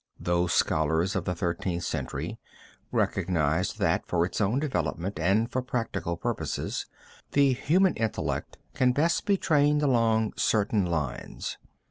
Those scholars of the Thirteenth Century recognized that, for its own development and for practical purposes, the human intellect can best be trained along certain lines.